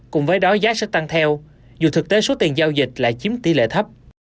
cùng với đó giá sẽ tăng theo dù thực tế số tiền giao dịch lại chiếm tỷ lệ thấp